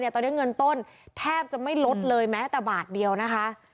ตอนนี้เงินต้นแทบจะไม่ลดเลยแม้แต่บาทเดียวนะคะ